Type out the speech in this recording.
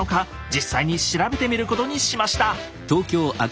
実際に調べてみることにしました。